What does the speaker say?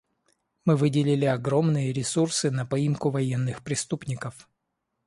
Мы выделили огромные ресурсы на поимку военных преступников.